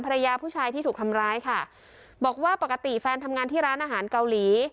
ภรรยาผู้ชายที่ถูกทำร้ายค่ะบอกว่าปกติแฟนทำงานที่ร้านอาหารเกาหลี